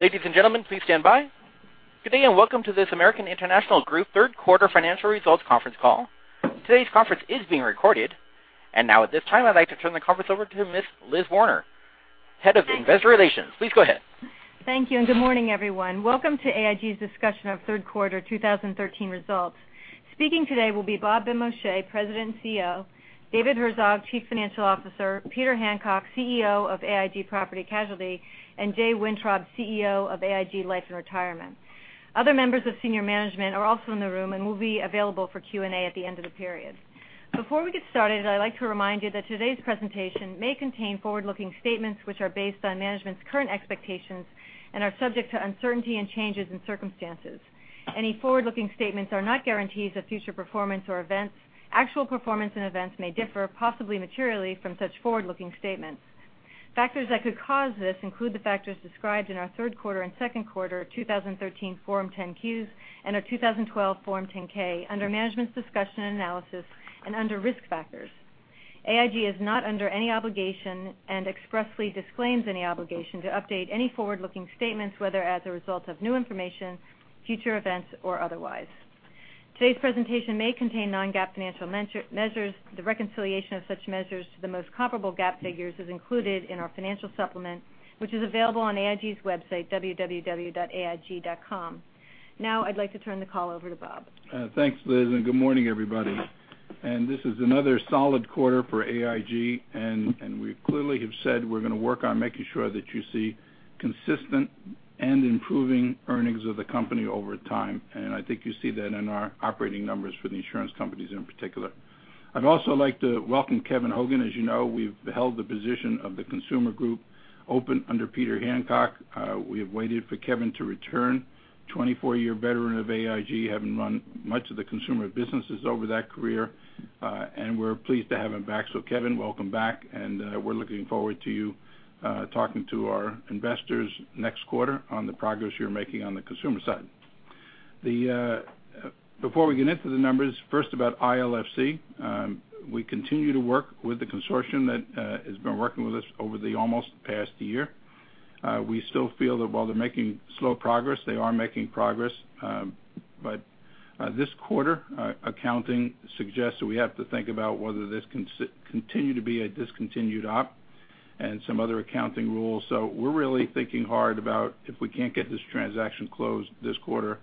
Ladies and gentlemen, please stand by. Good day, welcome to this American International Group third quarter financial results conference call. Today's conference is being recorded. Now at this time, I'd like to turn the conference over to Ms. Liz Warner, Head of Investor Relations. Please go ahead. Thank you. Good morning, everyone. Welcome to AIG's discussion of third quarter 2013 results. Speaking today will be Bob Benmosche, President and CEO, David Herzog, Chief Financial Officer, Peter Hancock, CEO of AIG Property Casualty, and Jay Wintrob, CEO of AIG Life & Retirement. Other members of senior management are also in the room and will be available for Q&A at the end of the period. Before we get started, I'd like to remind you that today's presentation may contain forward-looking statements which are based on management's current expectations and are subject to uncertainty and changes in circumstances. Any forward-looking statements are not guarantees of future performance or events. Actual performance and events may differ, possibly materially, from such forward-looking statements. Factors that could cause this include the factors described in our third quarter and second quarter 2013 Form 10-Qs and our 2012 Form 10-K under Management's Discussion and Analysis and under Risk Factors. AIG is not under any obligation and expressly disclaims any obligation to update any forward-looking statements, whether as a result of new information, future events, or otherwise. Today's presentation may contain non-GAAP financial measures. The reconciliation of such measures to the most comparable GAAP figures is included in our financial supplement, which is available on AIG's website, www.aig.com. Now, I'd like to turn the call over to Bob. Thanks, Liz. Good morning, everybody. This is another solid quarter for AIG, and we clearly have said we're going to work on making sure that you see consistent and improving earnings of the company over time. I think you see that in our operating numbers for the insurance companies in particular. I'd also like to welcome Kevin Hogan. As you know, we've held the position of the consumer group open under Peter Hancock. We have waited for Kevin to return. 24-year veteran of AIG, having run much of the consumer businesses over that career. We're pleased to have him back. Kevin, welcome back. We're looking forward to you talking to our investors next quarter on the progress you're making on the consumer side. Before we get into the numbers, first about ILFC. We continue to work with the consortium that has been working with us over the almost past year. We still feel that while they're making slow progress, they are making progress. This quarter, accounting suggests that we have to think about whether this can continue to be a discontinued op and some other accounting rules. We're really thinking hard about if we can't get this transaction closed this quarter,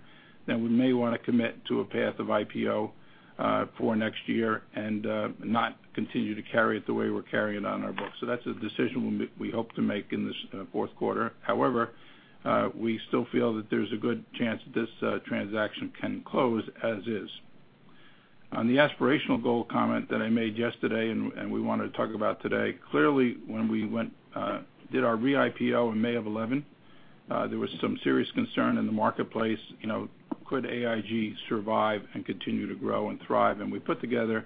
then we may want to commit to a path of IPO for next year and not continue to carry it the way we're carrying it on our books. That's a decision we hope to make in this fourth quarter. However, we still feel that there's a good chance this transaction can close as is. On the aspirational goal comment that I made yesterday and we want to talk about today, clearly when we did our re-IPO in May of 2011, there was some serious concern in the marketplace. Could AIG survive and continue to grow and thrive? We put together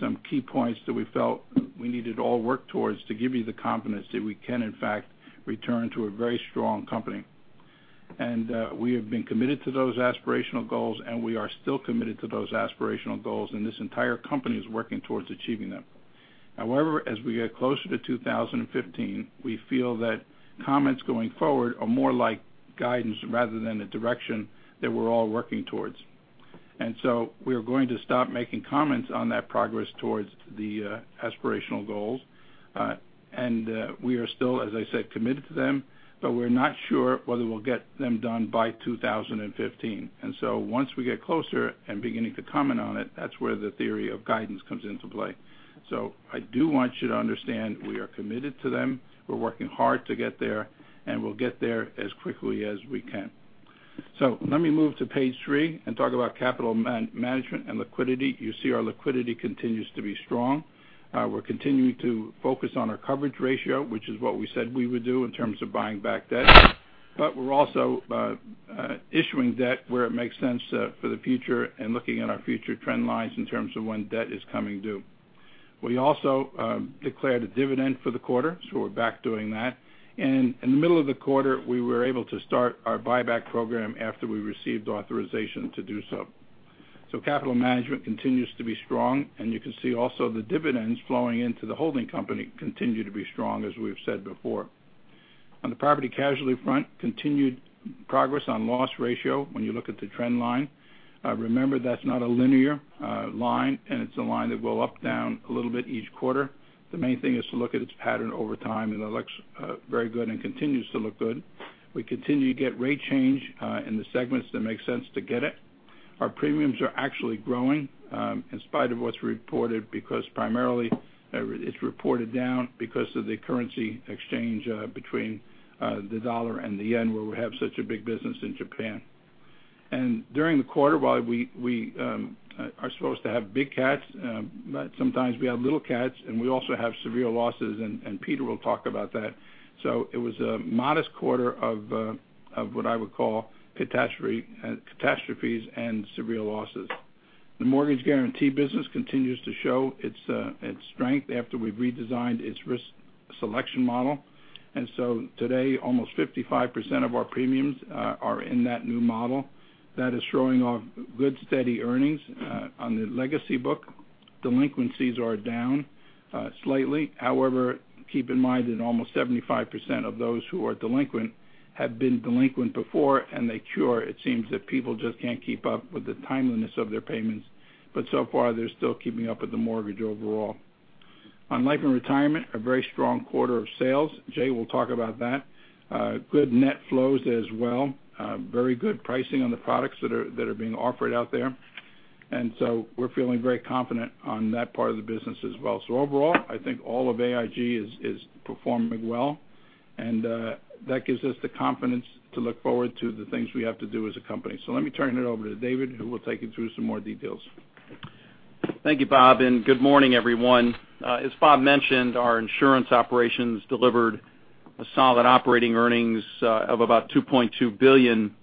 some key points that we felt we needed all work towards to give you the confidence that we can in fact return to a very strong company. We have been committed to those aspirational goals, and we are still committed to those aspirational goals, and this entire company is working towards achieving them. However, as we get closer to 2015, we feel that comments going forward are more like guidance rather than a direction that we're all working towards. We are going to stop making comments on that progress towards the aspirational goals. We are still, as I said, committed to them, but we're not sure whether we'll get them done by 2015. Once we get closer and beginning to comment on it, that's where the theory of guidance comes into play. I do want you to understand we are committed to them. We're working hard to get there, and we'll get there as quickly as we can. Let me move to page three and talk about capital management and liquidity. You see our liquidity continues to be strong. We're continuing to focus on our coverage ratio, which is what we said we would do in terms of buying back debt. We're also issuing debt where it makes sense for the future and looking at our future trend lines in terms of when debt is coming due. We also declared a dividend for the quarter, so we're back doing that. In the middle of the quarter, we were able to start our buyback program after we received authorization to do so. Capital management continues to be strong, and you can see also the dividends flowing into the holding company continue to be strong, as we've said before. On the property casualty front, continued progress on loss ratio when you look at the trend line. Remember, that's not a linear line, and it's a line that will up down a little bit each quarter. The main thing is to look at its pattern over time, and it looks very good and continues to look good. We continue to get rate change in the segments that make sense to get it. Our premiums are actually growing in spite of what's reported because primarily it's reported down because of the currency exchange between the dollar and the yen, where we have such a big business in Japan. During the quarter, while we are supposed to have big cats, sometimes we have little cats, we also have severe losses, and Peter will talk about that. It was a modest quarter of what I would call catastrophes and severe losses. The mortgage guarantee business continues to show its strength after we've redesigned its risk selection model. Today, almost 55% of our premiums are in that new model. That is showing off good, steady earnings on the legacy book. Delinquencies are down slightly. Keep in mind that almost 75% of those who are delinquent have been delinquent before, and they cure. It seems that people just can't keep up with the timeliness of their payments. So far, they're still keeping up with the mortgage overall. On Life & Retirement, a very strong quarter of sales. Jay will talk about that. Good net flows as well. Very good pricing on the products that are being offered out there. We're feeling very confident on that part of the business as well. Overall, I think all of AIG is performing well, and that gives us the confidence to look forward to the things we have to do as a company. Let me turn it over to David, who will take you through some more details. Thank you, Bob, and good morning, everyone. As Bob mentioned, our insurance operations delivered a solid operating earnings of about $2.2 billion.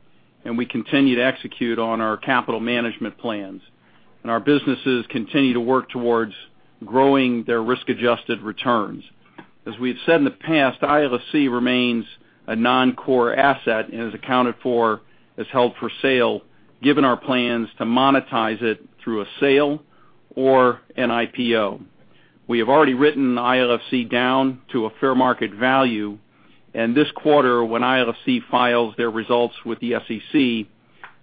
We continue to execute on our capital management plans. Our businesses continue to work towards growing their risk-adjusted returns. As we've said in the past, ILFC remains a non-core asset and is accounted for as held for sale, given our plans to monetize it through a sale or an IPO. We have already written ILFC down to a fair market value, and this quarter, when ILFC files their results with the SEC,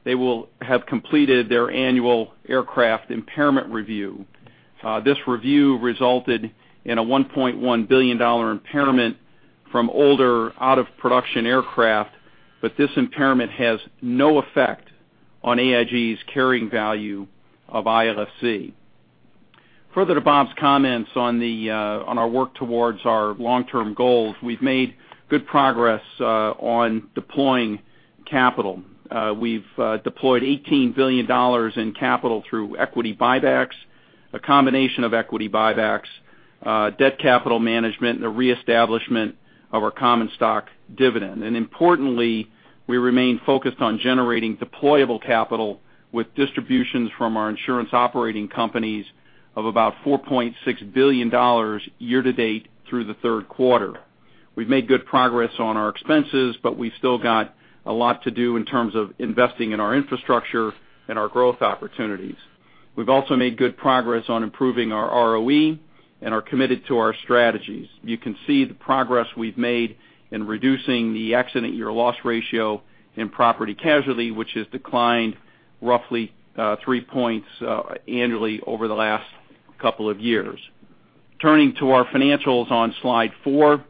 they will have completed their annual aircraft impairment review. This review resulted in a $1.1 billion impairment from older, out-of-production aircraft, this impairment has no effect on AIG's carrying value of ILFC. Further to Bob's comments on our work towards our long-term goals, we've made good progress on deploying capital. We've deployed $18 billion in capital through equity buybacks, a combination of equity buybacks, debt capital management, and the reestablishment of our common stock dividend. Importantly, we remain focused on generating deployable capital with distributions from our insurance operating companies of about $4.6 billion year to date through the third quarter. We've made good progress on our expenses, we've still got a lot to do in terms of investing in our infrastructure and our growth opportunities. We've also made good progress on improving our ROE and are committed to our strategies. You can see the progress we've made in reducing the accident year loss ratio in Property Casualty, which has declined roughly three points annually over the last couple of years. Turning to our financials on slide four,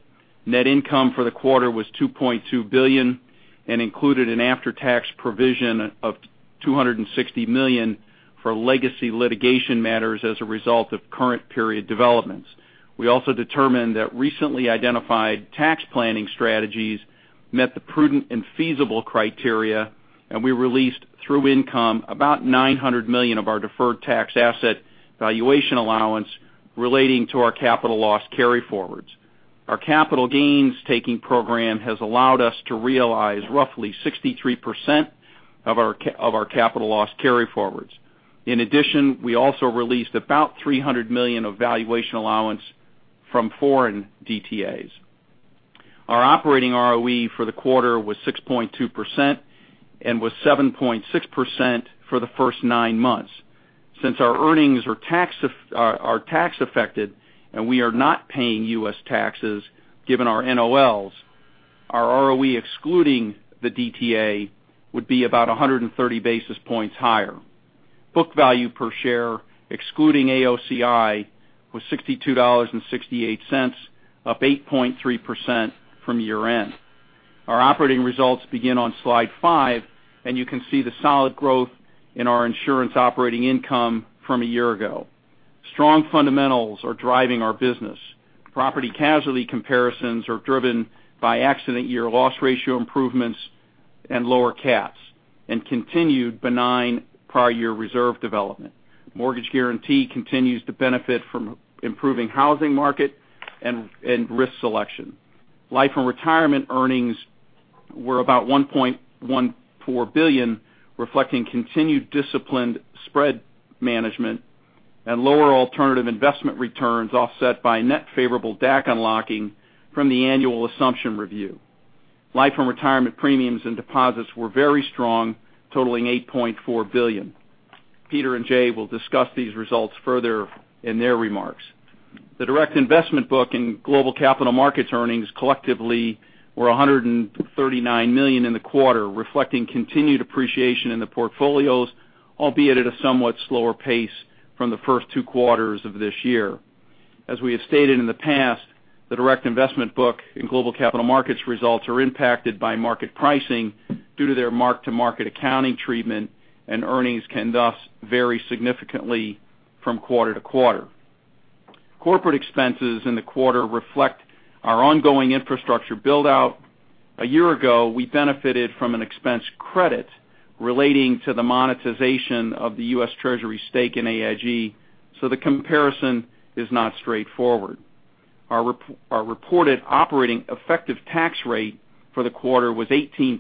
net income for the quarter was $2.2 billion and included an after-tax provision of $260 million for legacy litigation matters as a result of current period developments. We also determined that recently identified tax planning strategies met the prudent and feasible criteria, we released through income about $900 million of our deferred tax asset valuation allowance relating to our capital loss carryforwards. Our capital gains taking program has allowed us to realize roughly 63% of our capital loss carryforwards. In addition, we also released about $300 million of valuation allowance from foreign DTAs. Our operating ROE for the quarter was 6.2% and was 7.6% for the first nine months. Since our earnings are tax affected and we are not paying U.S. taxes, given our NOLs, our ROE excluding the DTA would be about 130 basis points higher. Book value per share, excluding AOCI, was $62.68, up 8.3% from year-end. Our operating results begin on slide five, you can see the solid growth in our insurance operating income from a year ago. Strong fundamentals are driving our business. Property Casualty comparisons are driven by accident year loss ratio improvements and lower cats, continued benign prior year reserve development. Mortgage Guarantee continues to benefit from improving housing market and risk selection. Life & Retirement earnings were about $1.14 billion, reflecting continued disciplined spread management and lower alternative investment returns offset by net favorable DAC unlocking from the annual assumption review. Life & Retirement premiums and deposits were very strong, totaling $8.4 billion. Peter and Jay will discuss these results further in their remarks. The direct investment book in Global Capital Markets earnings collectively were $139 million in the quarter, reflecting continued appreciation in the portfolios, albeit at a somewhat slower pace from the first two quarters of this year. As we have stated in the past, the direct investment book in Global Capital Markets results are impacted by market pricing due to their mark-to-market accounting treatment, earnings can thus vary significantly from quarter to quarter. Corporate expenses in the quarter reflect our ongoing infrastructure build-out. A year ago, we benefited from an expense credit relating to the monetization of the U.S. Treasury stake in AIG, the comparison is not straightforward. Our reported operating effective tax rate for the quarter was 18%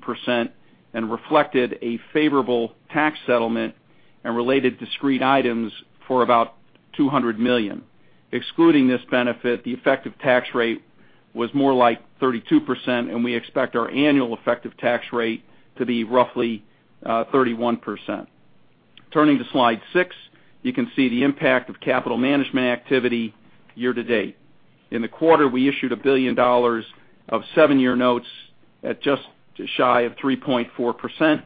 and reflected a favorable tax settlement and related discrete items for about $200 million. Excluding this benefit, the effective tax rate was more like 32%, we expect our annual effective tax rate to be roughly 31%. Turning to slide six, you can see the impact of capital management activity year to date. In the quarter, we issued $1 billion of seven-year notes at just shy of 3.4%.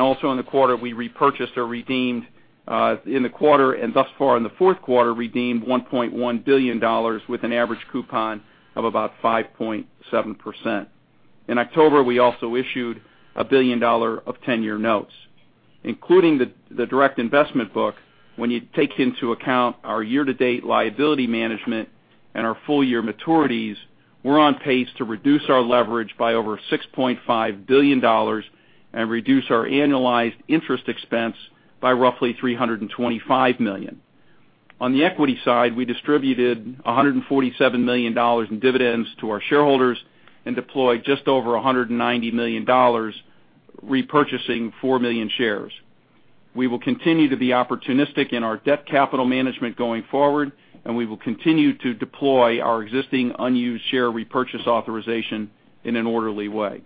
Also in the quarter, we repurchased or redeemed in the quarter and thus far in the fourth quarter, redeemed $1.1 billion with an average coupon of about 5.7%. In October, we also issued $1 billion of 10-year notes. Including the direct investment book, when you take into account our year-to-date liability management and our full-year maturities, we're on pace to reduce our leverage by over $6.5 billion and reduce our annualized interest expense by roughly $325 million. On the equity side, we distributed $147 million in dividends to our shareholders and deployed just over $190 million repurchasing 4 million shares. We will continue to be opportunistic in our debt capital management going forward, and we will continue to deploy our existing unused share repurchase authorization in an orderly way.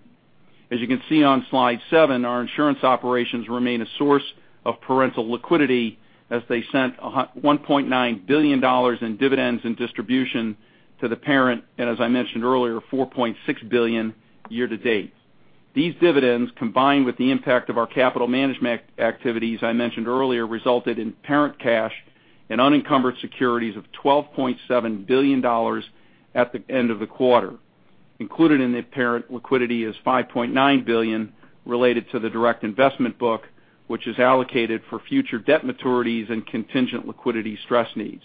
As you can see on slide seven, our insurance operations remain a source of parental liquidity as they sent $1.9 billion in dividends and distribution to the parent, and as I mentioned earlier, $4.6 billion year to date. These dividends, combined with the impact of our capital management activities I mentioned earlier, resulted in parent cash and unencumbered securities of $12.7 billion at the end of the quarter. Included in the parent liquidity is $5.9 billion related to the direct investment book, which is allocated for future debt maturities and contingent liquidity stress needs.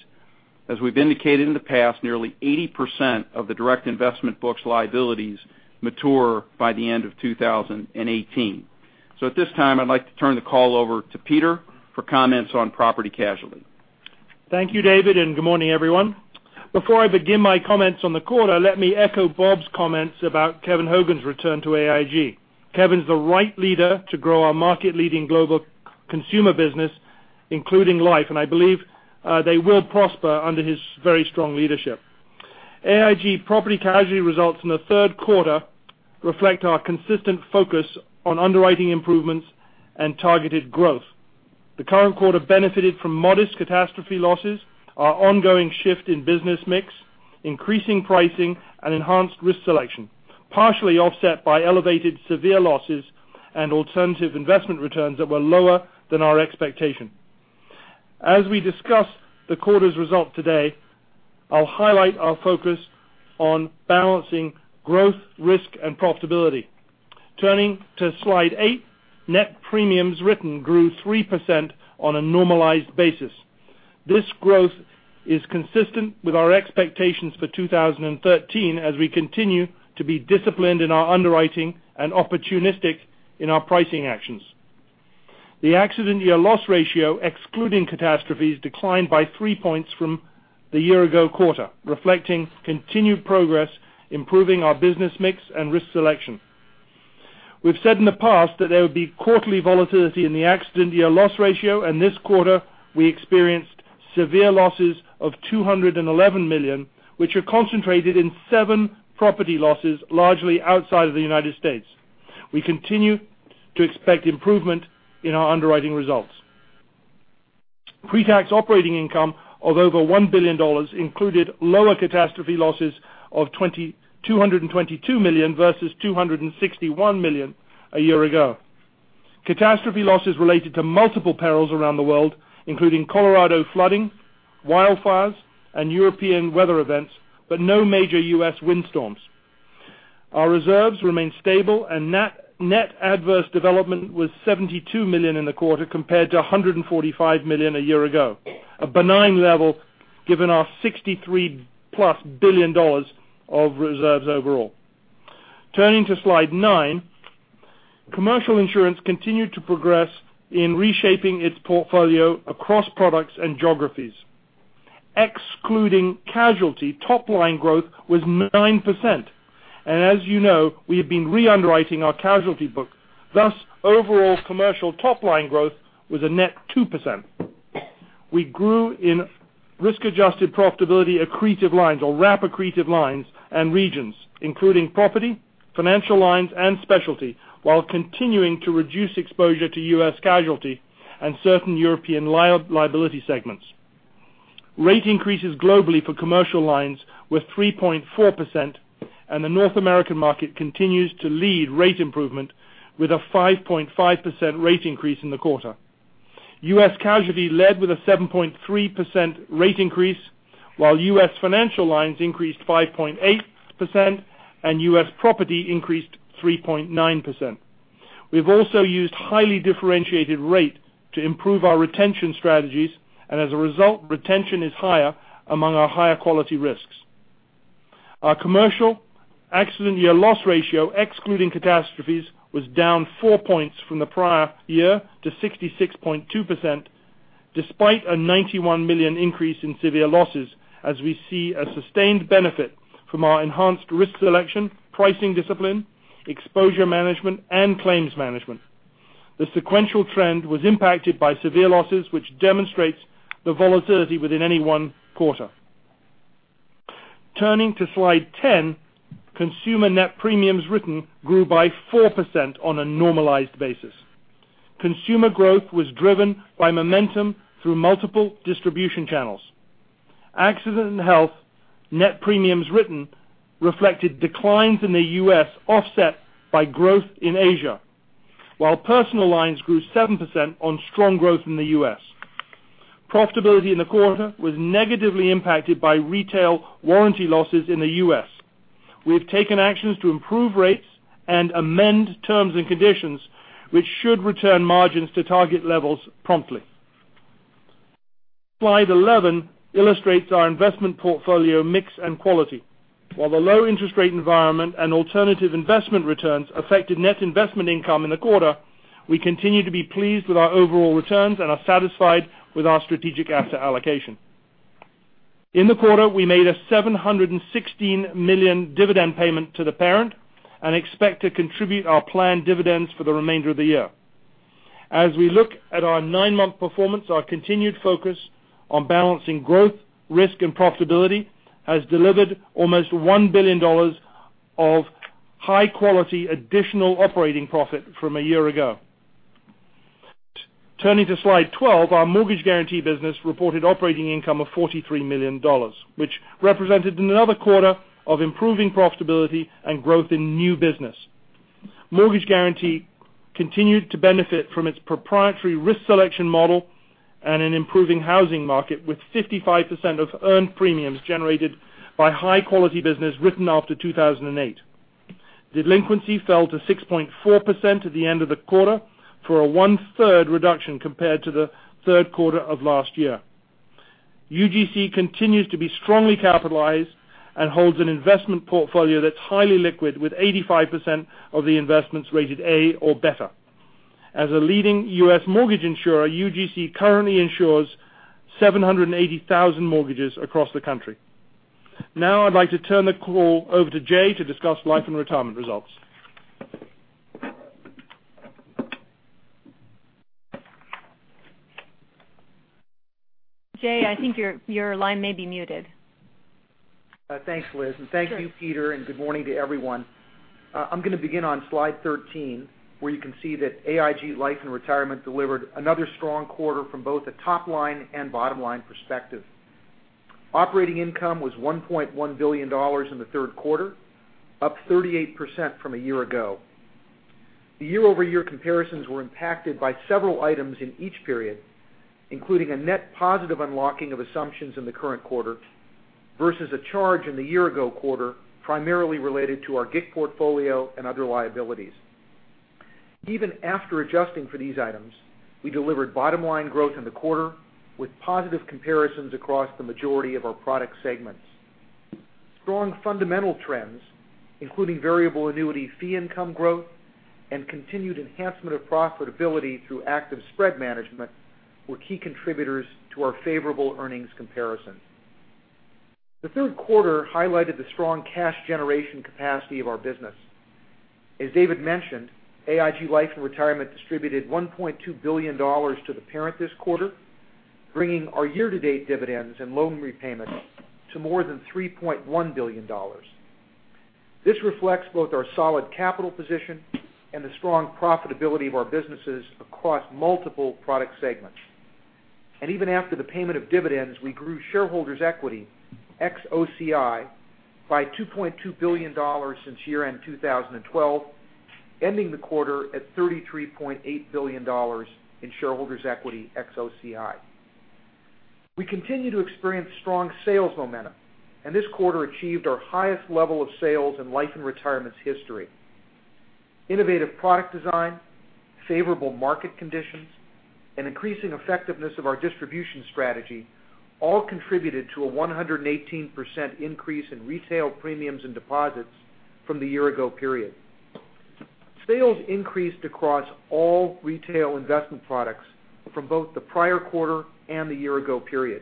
As we've indicated in the past, nearly 80% of the direct investment book's liabilities mature by the end of 2018. At this time, I'd like to turn the call over to Peter for comments on Property Casualty. Thank you, David, and good morning, everyone. Before I begin my comments on the quarter, let me echo Bob's comments about Kevin Hogan's return to AIG. Kevin's the right leader to grow our market-leading global consumer business, including Life, and I believe they will prosper under his very strong leadership. AIG Property Casualty results in the third quarter reflect our consistent focus on underwriting improvements and targeted growth. The current quarter benefited from modest catastrophe losses, our ongoing shift in business mix, increasing pricing, and enhanced risk selection, partially offset by elevated severe losses and alternative investment returns that were lower than our expectation. As we discuss the quarter's result today, I'll highlight our focus on balancing growth, risk, and profitability. Turning to slide eight, net premiums written grew 3% on a normalized basis. This growth is consistent with our expectations for 2013 as we continue to be disciplined in our underwriting and opportunistic in our pricing actions. The accident year loss ratio, excluding catastrophes, declined by three points from the year ago quarter, reflecting continued progress improving our business mix and risk selection. We've said in the past that there would be quarterly volatility in the accident year loss ratio, and this quarter we experienced severe losses of $211 million, which are concentrated in seven property losses, largely outside of the U.S. We continue to expect improvement in our underwriting results. Pre-tax operating income of over $1 billion included lower catastrophe losses of $222 million versus $261 million a year ago. Catastrophe losses related to multiple perils around the world, including Colorado flooding, wildfires, and European weather events, but no major U.S. windstorms. Our reserves remain stable. Net adverse development was $72 million in the quarter compared to $145 million a year ago, a benign level given our $63-plus billion of reserves overall. Turning to slide nine, commercial insurance continued to progress in reshaping its portfolio across products and geographies. Excluding casualty, top line growth was 9%. As you know, we have been re-underwriting our casualty book. Thus, overall commercial top-line growth was a net 2%. We grew in risk-adjusted profitability accretive lines or RAP accretive lines and regions, including property, financial lines, and specialty, while continuing to reduce exposure to U.S. casualty and certain European liability segments. Rate increases globally for commercial lines were 3.4%, and the North American market continues to lead rate improvement with a 5.5% rate increase in the quarter. U.S. casualty led with a 7.3% rate increase while U.S. financial lines increased 5.8% and U.S. property increased 3.9%. We've also used highly differentiated rate to improve our retention strategies. As a result, retention is higher among our higher-quality risks. Our commercial accident year loss ratio, excluding catastrophes, was down four points from the prior year to 66.2%, despite a $91 million increase in severe losses as we see a sustained benefit from our enhanced risk selection, pricing discipline, exposure management, and claims management. The sequential trend was impacted by severe losses, which demonstrates the volatility within any one quarter. Turning to slide 10, consumer net premiums written grew by 4% on a normalized basis. Consumer growth was driven by momentum through multiple distribution channels. Accident and health net premiums written reflected declines in the U.S., offset by growth in Asia, while personal lines grew 7% on strong growth in the U.S. Profitability in the quarter was negatively impacted by retail warranty losses in the U.S. We have taken actions to improve rates and amend terms and conditions, which should return margins to target levels promptly. Slide 11 illustrates our investment portfolio mix and quality. While the low interest rate environment and alternative investment returns affected net investment income in the quarter, we continue to be pleased with our overall returns and are satisfied with our strategic asset allocation. In the quarter, we made a $716 million dividend payment to the parent and expect to contribute our planned dividends for the remainder of the year. As we look at our nine-month performance, our continued focus on balancing growth, risk, and profitability has delivered almost $1 billion of high-quality additional operating profit from a year ago. Turning to slide 12, our mortgage guarantee business reported operating income of $43 million, which represented another quarter of improving profitability and growth in new business. Mortgage guarantee continued to benefit from its proprietary risk selection model and an improving housing market with 55% of earned premiums generated by high-quality business written after 2008. Delinquency fell to 6.4% at the end of the quarter for a one-third reduction compared to the third quarter of last year. UGC continues to be strongly capitalized and holds an investment portfolio that's highly liquid with 85% of the investments rated A or better. As a leading U.S. mortgage insurer, UGC currently insures 780,000 mortgages across the country. Now I'd like to turn the call over to Jay to discuss Life & Retirement results. Jay, I think your line may be muted. Thanks, Liz. Sure. Thank you, Peter, and good morning to everyone. I'm going to begin on slide 13, where you can see that AIG Life & Retirement delivered another strong quarter from both a top-line and bottom-line perspective. Operating income was $1.1 billion in the third quarter, up 38% from a year ago. The year-over-year comparisons were impacted by several items in each period, including a net positive unlocking of assumptions in the current quarter versus a charge in the year-ago quarter, primarily related to our GIC portfolio and other liabilities. Even after adjusting for these items, we delivered bottom-line growth in the quarter with positive comparisons across the majority of our product segments. Strong fundamental trends, including variable annuity fee income growth, and continued enhancement of profitability through active spread management were key contributors to our favorable earnings comparison. The third quarter highlighted the strong cash generation capacity of our business. As David mentioned, AIG Life & Retirement distributed $1.2 billion to the parent this quarter, bringing our year-to-date dividends and loan repayments to more than $3.1 billion. This reflects both our solid capital position and the strong profitability of our businesses across multiple product segments. Even after the payment of dividends, we grew shareholders' equity ex-OCI by $2.2 billion since year-end 2012, ending the quarter at $33.8 billion in shareholders' equity ex-OCI. We continue to experience strong sales momentum, and this quarter achieved our highest level of sales in Life & Retirement's history. Innovative product design, favorable market conditions, and increasing effectiveness of our distribution strategy all contributed to a 118% increase in retail premiums and deposits from the year-ago period. Sales increased across all retail investment products from both the prior quarter and the year-ago period.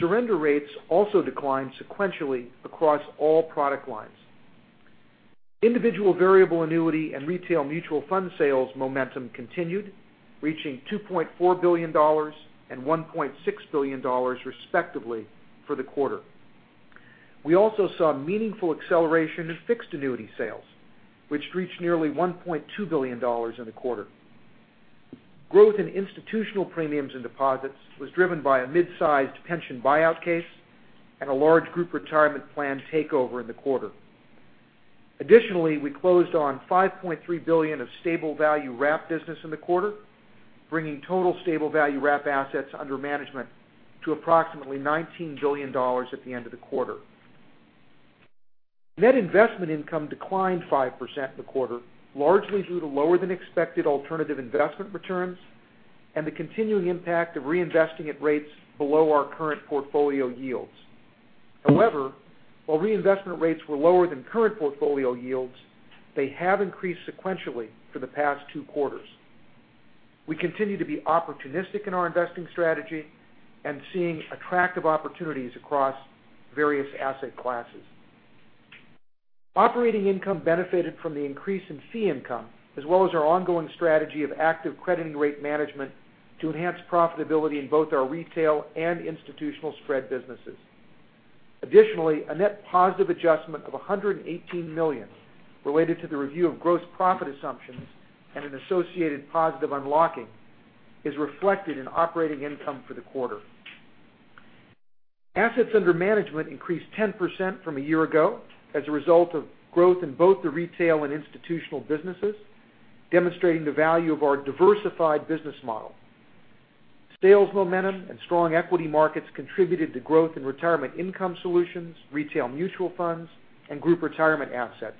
Surrender rates also declined sequentially across all product lines. Individual variable annuity and retail mutual fund sales momentum continued, reaching $2.4 billion and $1.6 billion respectively for the quarter. We also saw meaningful acceleration in fixed annuity sales, which reached nearly $1.2 billion in the quarter. Growth in institutional premiums and deposits was driven by a mid-sized pension buyout case and a large group retirement plan takeover in the quarter. Additionally, we closed on $5.3 billion of stable value wrap business in the quarter, bringing total stable value wrap assets under management to approximately $19 billion at the end of the quarter. Net investment income declined 5% in the quarter, largely due to lower-than-expected alternative investment returns and the continuing impact of reinvesting at rates below our current portfolio yields. However, while reinvestment rates were lower than current portfolio yields, they have increased sequentially for the past two quarters. We continue to be opportunistic in our investing strategy and seeing attractive opportunities across various asset classes. Operating income benefited from the increase in fee income, as well as our ongoing strategy of active crediting rate management to enhance profitability in both our retail and institutional spread businesses. A net positive adjustment of $118 million related to the review of gross profit assumptions and an associated positive unlocking is reflected in operating income for the quarter. Assets under management increased 10% from a year ago as a result of growth in both the retail and institutional businesses, demonstrating the value of our diversified business model. Sales momentum and strong equity markets contributed to growth in retirement income solutions, retail mutual funds, and group retirement assets.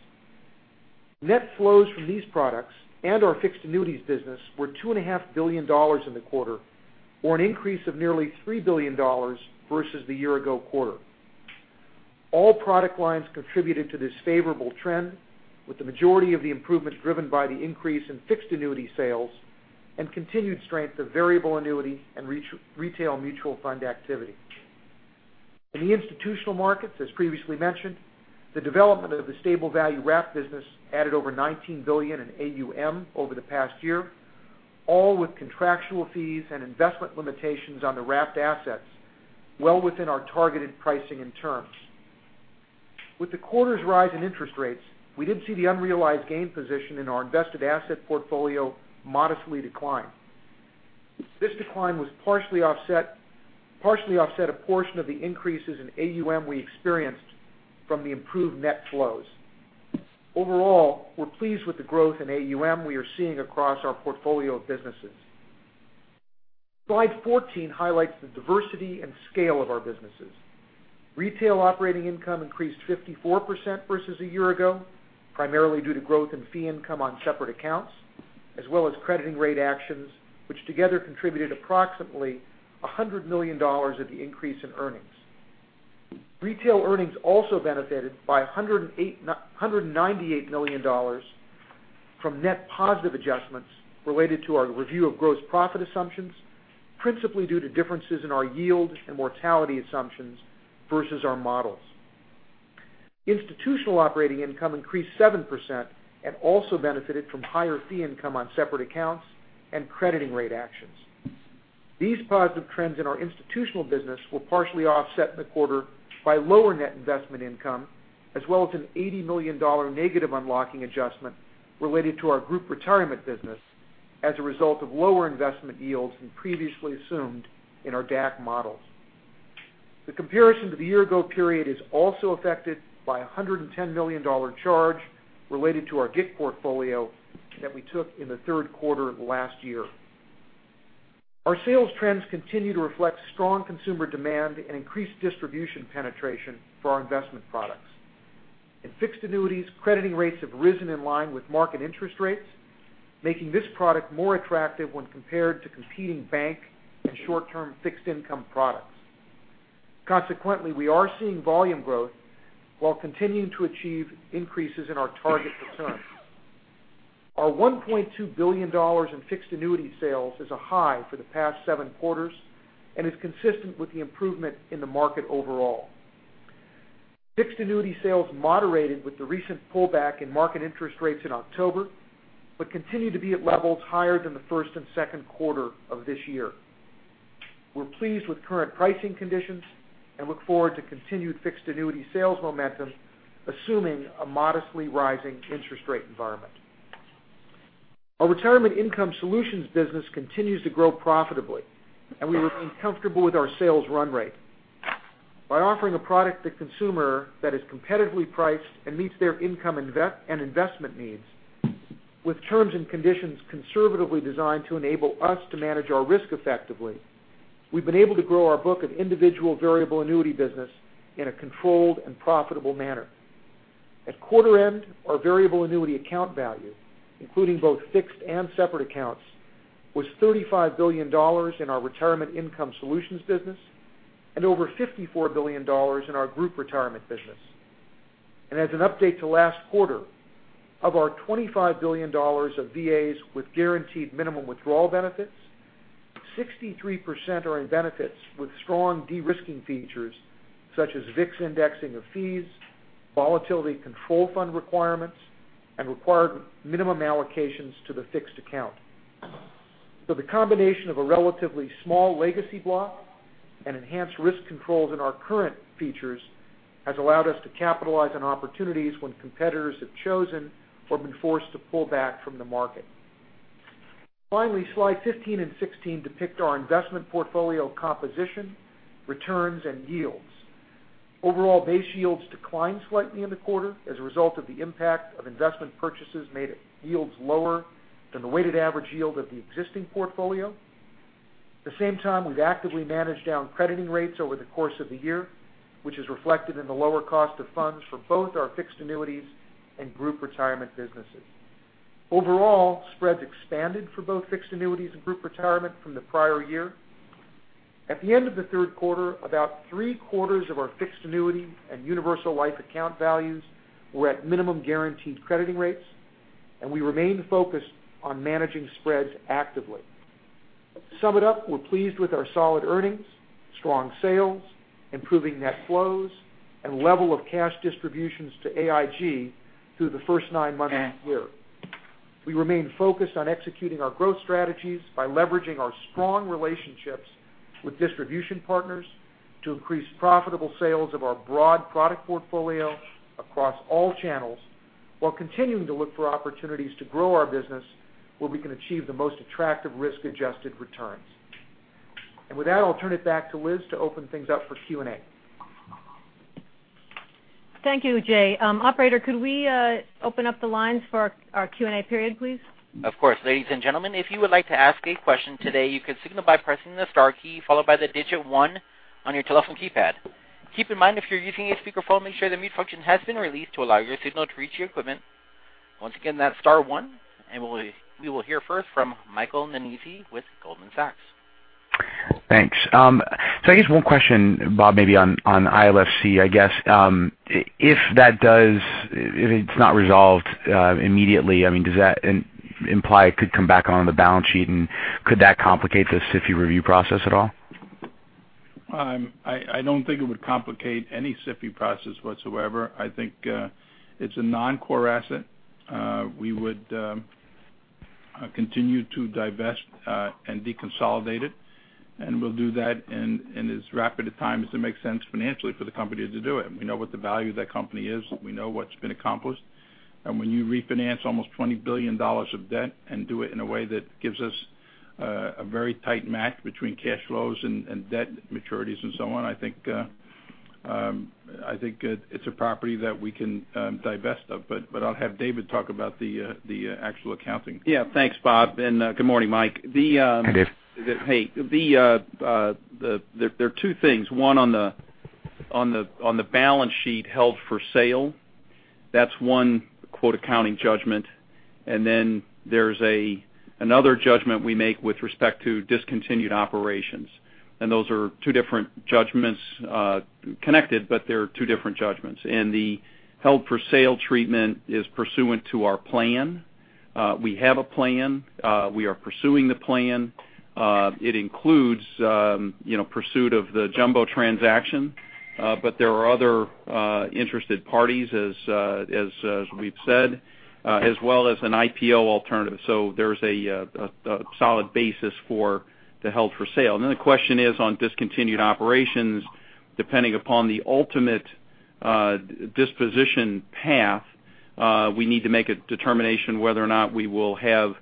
Net flows from these products and our fixed annuities business were $2.5 billion in the quarter, or an increase of nearly $3 billion versus the year-ago quarter. All product lines contributed to this favorable trend, with the majority of the improvements driven by the increase in fixed annuity sales and continued strength of variable annuity and retail mutual fund activity. In the institutional markets, as previously mentioned, the development of the stable value wrap business added over $19 billion in AUM over the past year, all with contractual fees and investment limitations on the wrapped assets well within our targeted pricing and terms. With the quarter's rise in interest rates, we did see the unrealized gain position in our invested asset portfolio modestly decline. This decline was partially offset a portion of the increases in AUM we experienced from the improved net flows. Overall, we're pleased with the growth in AUM we are seeing across our portfolio of businesses. Slide 14 highlights the diversity and scale of our businesses. Retail operating income increased 54% versus a year ago, primarily due to growth in fee income on separate accounts, as well as crediting rate actions, which together contributed approximately $100 million of the increase in earnings. Retail earnings also benefited by $198 million from net positive adjustments related to our review of gross profit assumptions, principally due to differences in our yield and mortality assumptions versus our models. Institutional operating income increased 7% and also benefited from higher fee income on separate accounts and crediting rate actions. These positive trends in our institutional business were partially offset in the quarter by lower net investment income, as well as an $80 million negative unlocking adjustment related to our group retirement business as a result of lower investment yields than previously assumed in our DAC models. The comparison to the year-ago period is also affected by a $110 million charge related to our GIC portfolio that we took in the third quarter of last year. Our sales trends continue to reflect strong consumer demand and increased distribution penetration for our investment products. In fixed annuities, crediting rates have risen in line with market interest rates, making this product more attractive when compared to competing bank and short-term fixed income products. We are seeing volume growth while continuing to achieve increases in our target returns. Our $1.2 billion in fixed annuity sales is a high for the past seven quarters and is consistent with the improvement in the market overall. Fixed annuity sales moderated with the recent pullback in market interest rates in October, continue to be at levels higher than the first and second quarter of this year. We're pleased with current pricing conditions and look forward to continued fixed annuity sales momentum, assuming a modestly rising interest rate environment. Our retirement income solutions business continues to grow profitably, we remain comfortable with our sales run rate. By offering a product to consumer that is competitively priced and meets their income and investment needs with terms and conditions conservatively designed to enable us to manage our risk effectively, we've been able to grow our book of individual variable annuity business in a controlled and profitable manner. At quarter end, our variable annuity account value, including both fixed and separate accounts, was $35 billion in our retirement income solutions business and over $54 billion in our group retirement business. As an update to last quarter, of our $25 billion of VAs with guaranteed minimum withdrawal benefits, 63% are in benefits with strong de-risking features such as VIX indexing of fees, volatility control fund requirements, and required minimum allocations to the fixed account. The combination of a relatively small legacy block and enhanced risk controls in our current features has allowed us to capitalize on opportunities when competitors have chosen or been forced to pull back from the market. Finally, slide 15 and 16 depict our investment portfolio composition, returns, and yields. Overall base yields declined slightly in the quarter as a result of the impact of investment purchases made at yields lower than the weighted average yield of the existing portfolio. At the same time, we've actively managed down crediting rates over the course of the year, which is reflected in the lower cost of funds for both our fixed annuities and group retirement businesses. Overall, spreads expanded for both fixed annuities and group retirement from the prior year. At the end of the third quarter, about three-quarters of our fixed annuity and universal life account values were at minimum guaranteed crediting rates, and we remain focused on managing spreads actively. To sum it up, we're pleased with our solid earnings, strong sales, improving net flows, and level of cash distributions to AIG through the first nine months of this year. We remain focused on executing our growth strategies by leveraging our strong relationships with distribution partners to increase profitable sales of our broad product portfolio across all channels while continuing to look for opportunities to grow our business where we can achieve the most attractive risk-adjusted returns. With that, I'll turn it back to Liz to open things up for Q&A. Thank you, Jay. Operator, could we open up the lines for our Q&A period, please? Of course. Ladies and gentlemen, if you would like to ask a question today, you can signal by pressing the star key, followed by the digit one on your telephone keypad. Keep in mind, if you're using a speakerphone, make sure the mute function has been released to allow your signal to reach your equipment. Once again, that's star one. We will hear first from Michael Nannizzi with Goldman Sachs. Thanks. I guess one question, Bob, maybe on ILFC. I guess, if it's not resolved immediately, does that imply it could come back on the balance sheet, and could that complicate the SIFI review process at all? I don't think it would complicate any SIFI process whatsoever. I think it's a non-core asset. We would continue to divest and deconsolidate it, and we'll do that in as rapid a time as it makes sense financially for the company to do it. We know what the value of that company is. We know what's been accomplished. When you refinance almost $20 billion of debt and do it in a way that gives us a very tight match between cash flows and debt maturities and so on, I think it's a property that we can divest of. I'll have David talk about the actual accounting. Yeah. Thanks, Bob, and good morning, Mike. Hi, Dave. Hey. There are two things. One on the balance sheet held for sale. That's one, quote, "accounting judgment." There's another judgment we make with respect to discontinued operations. Those are two different judgments, connected, but they're two different judgments. The held for sale treatment is pursuant to our plan. We have a plan. We are pursuing the plan. It includes pursuit of the jumbo transaction. There are other interested parties, as we've said, as well as an IPO alternative. There's a solid basis for the held for sale. The question is on discontinued operations, depending upon the ultimate disposition path, we need to make a determination whether or not we will have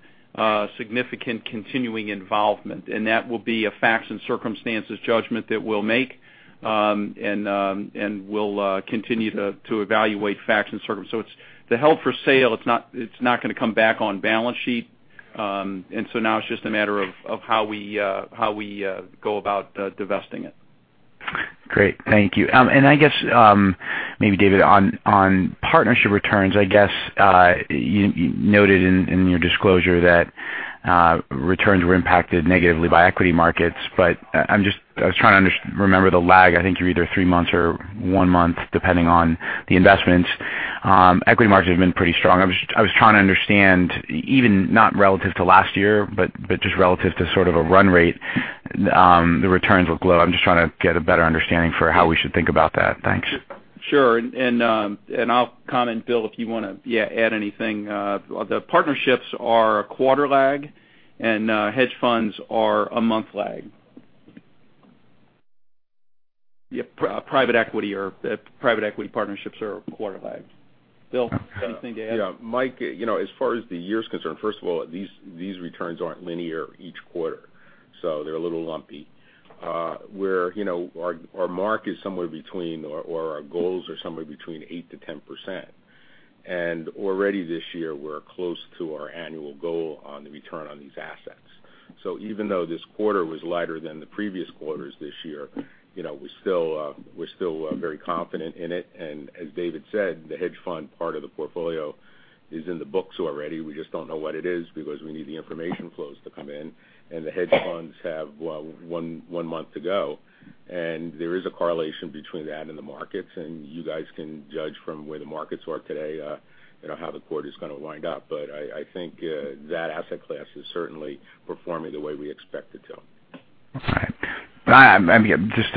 significant continuing involvement. That will be a facts and circumstances judgment that we'll make, and we'll continue to evaluate facts and circumstances. The held for sale, it's not going to come back on balance sheet. Now it's just a matter of how we go about divesting it. Great. Thank you. I guess, maybe David, on partnership returns, I guess you noted in your disclosure that returns were impacted negatively by equity markets. I was trying to remember the lag. I think you're either three months or one month, depending on the investments. Equity markets have been pretty strong. I was trying to understand, even not relative to last year, but just relative to sort of a run rate, the returns look low. I'm just trying to get a better understanding for how we should think about that. Thanks. Sure. I'll comment, Bill, if you want to add anything. The partnerships are a quarter lag, and hedge funds are a month lag. Private equity partnerships are a quarter lag. Bill, anything to add? Mike, as far as the year is concerned, first of all, these returns aren't linear each quarter, they're a little lumpy, where our mark is somewhere between, or our goals are somewhere between 8%-10%. Already this year, we're close to our annual goal on the return on these assets. Even though this quarter was lighter than the previous quarters this year, we're still very confident in it. As David said, the hedge fund part of the portfolio is in the books already. We just don't know what it is because we need the information flows to come in, and the hedge funds have one month to go. There is a correlation between that and the markets, and you guys can judge from where the markets are today how the quarter is going to wind up. I think that asset class is certainly performing the way we expect it to. All right. Just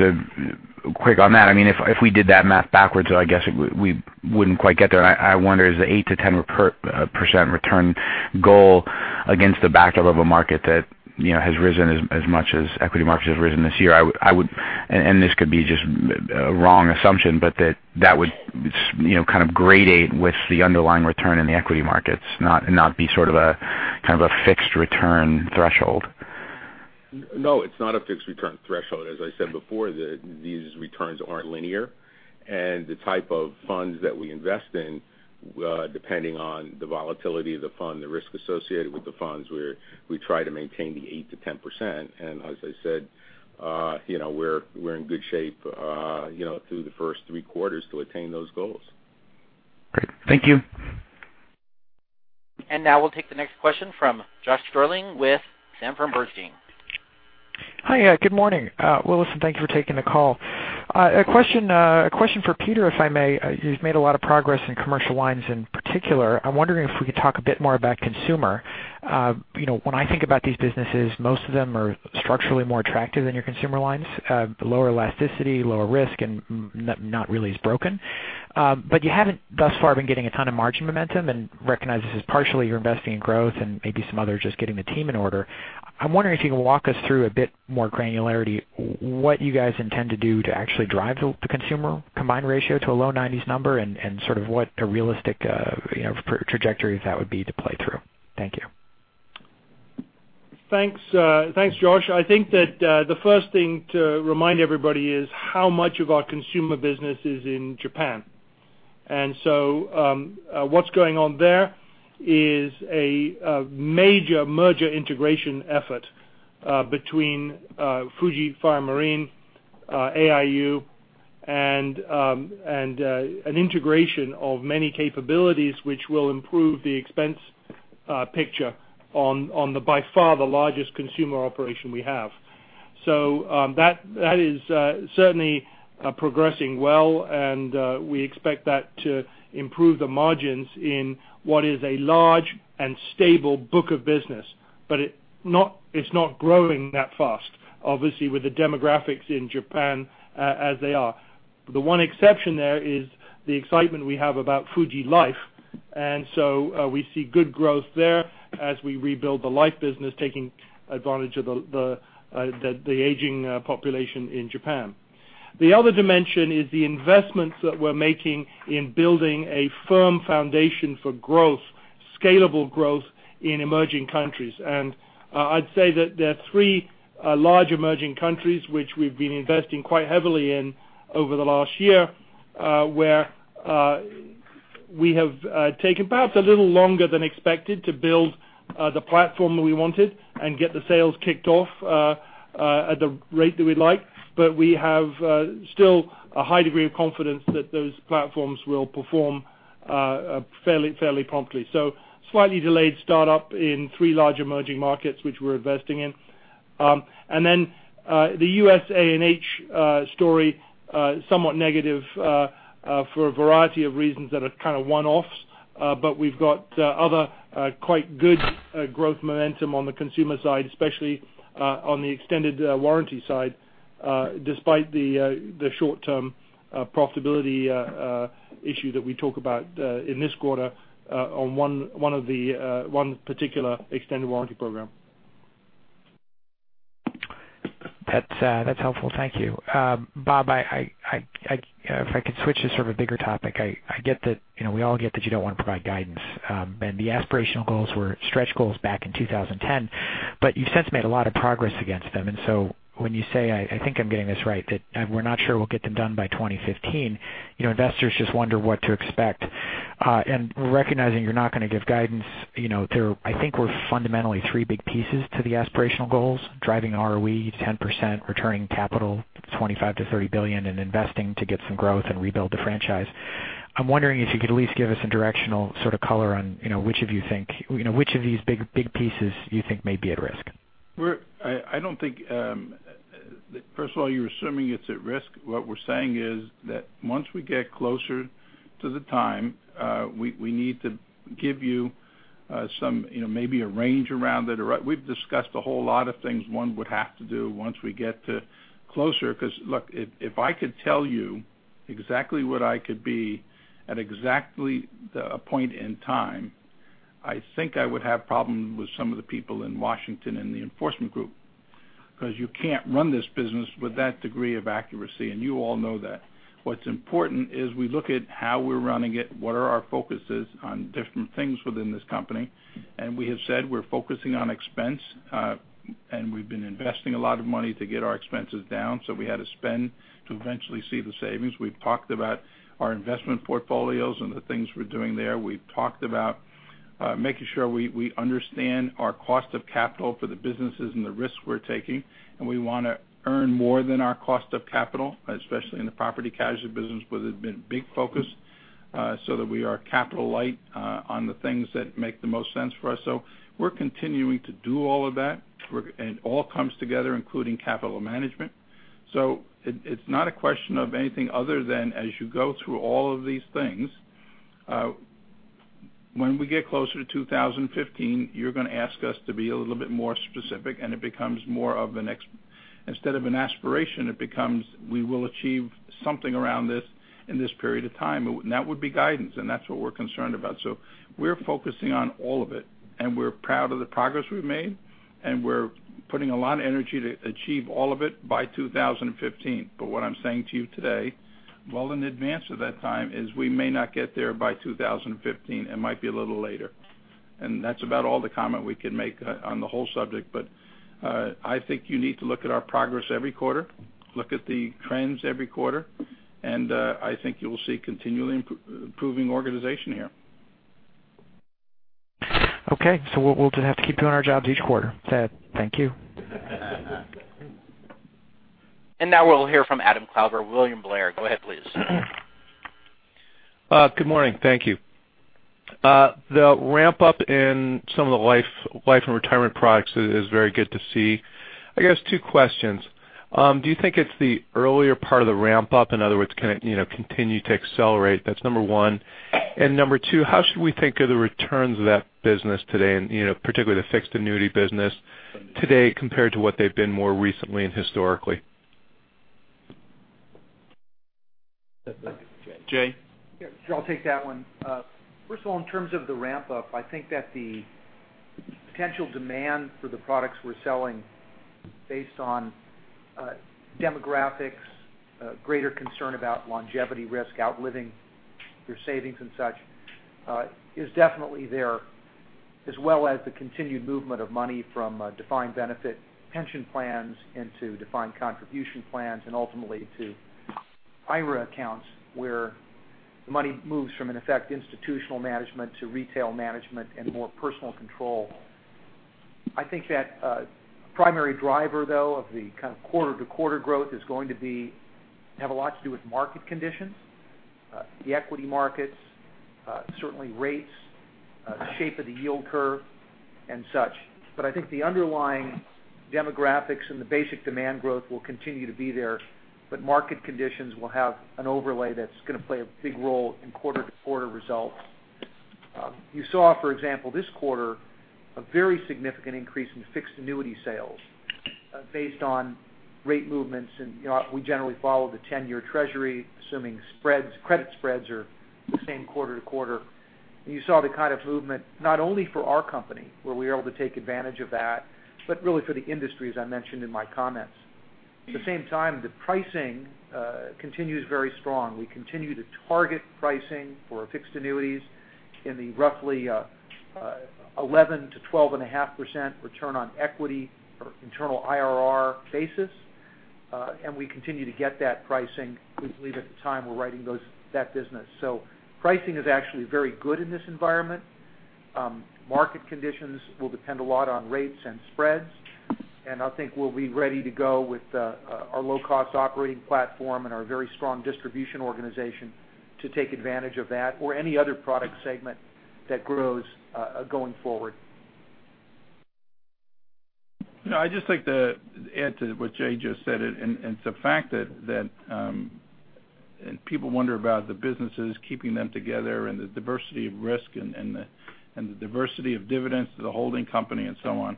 quick on that, if we did that math backwards, I guess we wouldn't quite get there. I wonder, is the 8%-10% return goal against the backdrop of a market that has risen as much as equity markets have risen this year? This could be just a wrong assumption, that would kind of gradate with the underlying return in the equity markets, and not be sort of a fixed return threshold. No, it's not a fixed return threshold. As I said before, these returns aren't linear, the type of funds that we invest in, depending on the volatility of the fund, the risk associated with the funds, where we try to maintain the 8%-10%. As I said, we're in good shape through the first three quarters to attain those goals. Great. Thank you. Now we'll take the next question from Josh Stirling with Sanford Bernstein. Hi. Good morning, Liz Warner, and thank you for taking the call. A question for Peter, if I may. You've made a lot of progress in commercial lines in particular. I'm wondering if we could talk a bit more about consumer. When I think about these businesses, most of them are structurally more attractive than your consumer lines. Lower elasticity, lower risk, and not really as broken. You haven't thus far been getting a ton of margin momentum, and recognize this is partially you're investing in growth and maybe some other just getting the team in order. I'm wondering if you can walk us through a bit more granularity, what you guys intend to do to actually drive the consumer combined ratio to a low 90s number, and sort of what a realistic trajectory that would be to play through. Thank you. Thanks, Josh. I think that the first thing to remind everybody is how much of our consumer business is in Japan. What's going on there is a major merger integration effort between Fuji Fire Marine, AIU, and an integration of many capabilities which will improve the expense picture on the, by far, the largest consumer operation we have. That is certainly progressing well, and we expect that to improve the margins in what is a large and stable book of business. It's not growing that fast, obviously, with the demographics in Japan as they are. The one exception there is the excitement we have about Fuji Life, and so we see good growth there as we rebuild the life business, taking advantage of the aging population in Japan. The other dimension is the investments that we're making in building a firm foundation for growth, scalable growth, in emerging countries. I'd say that there are three large emerging countries which we've been investing quite heavily in over the last year, where we have taken perhaps a little longer than expected to build the platform that we wanted and get the sales kicked off at the rate that we'd like. We have still a high degree of confidence that those platforms will perform fairly promptly. Slightly delayed startup in three large emerging markets, which we're investing in. Then the U.S. A&H story, somewhat negative for a variety of reasons that are kind of one-offs. We've got other quite good growth momentum on the consumer side, especially on the extended warranty side, despite the short term profitability issue that we talk about in this quarter on one particular extended warranty program. That's helpful. Thank you. Bob, if I could switch to sort of a bigger topic. I get that, we all get that you don't want to provide guidance. The aspirational goals were stretch goals back in 2010, but you've since made a lot of progress against them. When you say, I think I'm getting this right, that we're not sure we'll get them done by 2015, investors just wonder what to expect. Recognizing you're not going to give guidance, there, I think were fundamentally three big pieces to the aspirational goals, driving ROE to 10%, returning capital $25 billion-$30 billion, and investing to get some growth and rebuild the franchise. I'm wondering if you could at least give us a directional sort of color on which of these big pieces you think may be at risk. First of all, you're assuming it's at risk. What we're saying is that once we get closer to the time, we need to give you maybe a range around it. We've discussed a whole lot of things one would have to do once we get to closer because, look, if I could tell you exactly what I could be at exactly a point in time, I think I would have problem with some of the people in Washington in the enforcement group, because you can't run this business with that degree of accuracy, and you all know that. What's important is we look at how we're running it, what are our focuses on different things within this company, and we have said we're focusing on expense, and we've been investing a lot of money to get our expenses down, so we had to spend to eventually see the savings. We've talked about our investment portfolios and the things we're doing there. We've talked about making sure we understand our cost of capital for the businesses and the risks we're taking, and we want to earn more than our cost of capital, especially in the property casualty business, where there's been a big focus, so that we are capital light on the things that make the most sense for us. We're continuing to do all of that. It all comes together, including capital management. It's not a question of anything other than as you go through all of these things, when we get closer to 2015, you're going to ask us to be a little bit more specific, and instead of an aspiration, it becomes we will achieve something around this in this period of time, and that would be guidance, and that's what we're concerned about. We're focusing on all of it, and we're proud of the progress we've made, and we're putting a lot of energy to achieve all of it by 2015. What I'm saying to you today, well in advance of that time, is we may not get there by 2015. It might be a little later. That's about all the comment we can make on the whole subject. I think you need to look at our progress every quarter, look at the trends every quarter, and I think you'll see continually improving organization here. Okay, we'll just have to keep doing our jobs each quarter. Thank you. Now we'll hear from Adam Klauber, William Blair. Go ahead, please. Good morning. Thank you. The ramp up in some of the Life & Retirement products is very good to see. I guess 2 questions. Do you think it's the earlier part of the ramp up? In other words, can it continue to accelerate? That's number 1. Number 2, how should we think of the returns of that business today, and particularly the fixed annuity business today, compared to what they've been more recently and historically? Jay? Yeah. Sure, I'll take that one. First of all, in terms of the ramp up, I think that the potential demand for the products we're selling based on demographics, greater concern about longevity risk, outliving your savings and such, is definitely there. As well as the continued movement of money from defined benefit pension plans into defined contribution plans and ultimately to IRA accounts, where the money moves from, in effect, institutional management to retail management and more personal control. I think that a primary driver, though, of the kind of quarter-to-quarter growth is going to have a lot to do with market conditions, the equity markets, certainly rates, shape of the yield curve and such. I think the underlying demographics and the basic demand growth will continue to be there, but market conditions will have an overlay that's going to play a big role in quarter-to-quarter results. You saw, for example, this quarter, a very significant increase in fixed annuity sales based on rate movements. We generally follow the 10-year Treasury, assuming credit spreads are the same quarter-to-quarter. You saw the kind of movement, not only for our company, where we were able to take advantage of that, but really for the industry, as I mentioned in my comments. At the same time, the pricing continues very strong. We continue to target pricing for fixed annuities in the roughly 11%-12.5% ROE or internal IRR basis. We continue to get that pricing, we believe, at the time we're writing that business. Pricing is actually very good in this environment. Market conditions will depend a lot on rates and spreads. I think we'll be ready to go with our low-cost operating platform and our very strong distribution organization to take advantage of that or any other product segment that grows going forward. I'd just like to add to what Jay just said. It's a fact that people wonder about the businesses keeping them together and the diversity of risk and the diversity of dividends to the holding company and so on.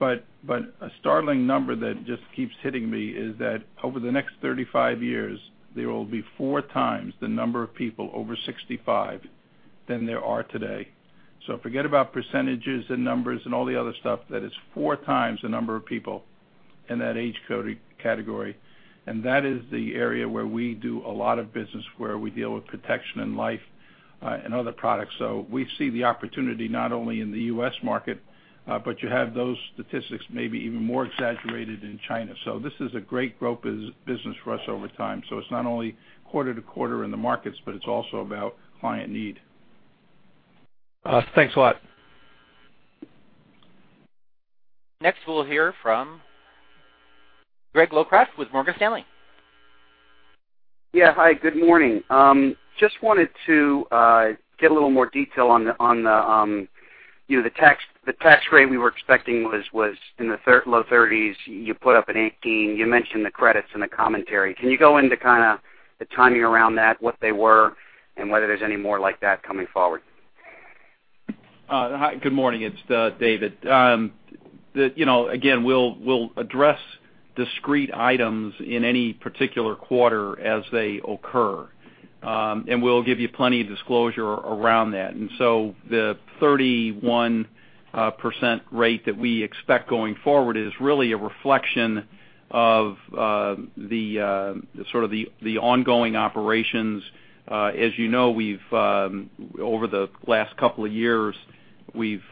A startling number that just keeps hitting me is that over the next 35 years, there will be 4 times the number of people over 65 than there are today. Forget about percentages and numbers and all the other stuff. That is 4 times the number of people in that age category, and that is the area where we do a lot of business where we deal with protection and life and other products. We see the opportunity not only in the U.S. market, but you have those statistics maybe even more exaggerated in China. This is a great growth business for us over time. It's not only quarter to quarter in the markets, but it's also about client need. Thanks a lot. Next, we'll hear from Gregory Locraft with Morgan Stanley. Yeah. Hi, good morning. Just wanted to get a little more detail on the tax rate we were expecting was in the low 30s. You put up an 18, you mentioned the credits in the commentary. Can you go into kind of the timing around that, what they were, and whether there's any more like that coming forward? Hi. Good morning. It's David. Again, we'll address discrete items in any particular quarter as they occur. We'll give you plenty of disclosure around that. The 31% rate that we expect going forward is really a reflection of the sort of the ongoing operations. As you know, over the last couple of years, we've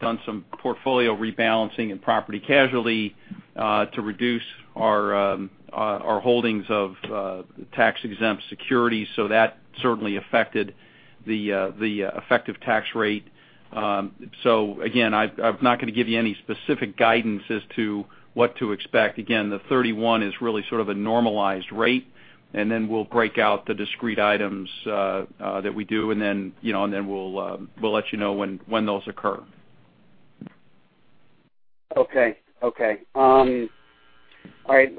done some portfolio rebalancing in Property Casualty to reduce our holdings of tax-exempt securities. That certainly affected the effective tax rate. Again, I'm not going to give you any specific guidance as to what to expect. Again, the 31 is really sort of a normalized rate, and then we'll break out the discrete items that we do, and then we'll let you know when those occur. Okay. All right.